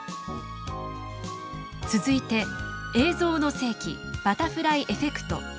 続いて「映像の世紀バタフライエフェクト」